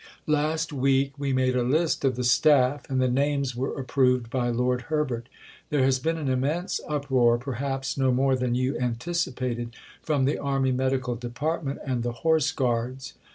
Last week we made a list of the staff, and the names were approved by Lord Herbert. There has been an immense uproar, perhaps no more than you anticipated, from the Army Medical Department and the Horse Guards."